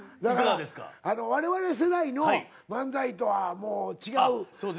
だから我々世代の漫才とはもう違う。